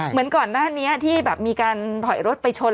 เหมือนก่อนหน้านี้ที่แบบมีการถอยรถไปชน